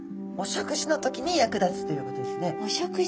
お食事？